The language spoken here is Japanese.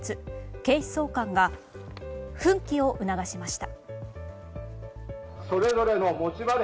警視総監が奮起を促しました。